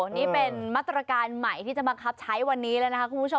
นี่เป็นมาตรการใหม่ที่จะบังคับใช้วันนี้แล้วนะคะคุณผู้ชม